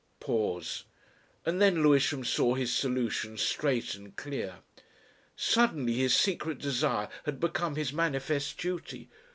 Pause. And then Lewisham saw his solution straight and clear. Suddenly his secret desire had become his manifest duty.